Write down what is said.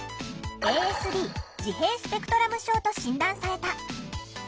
ＡＳＤ自閉スペクトラム症と診断された。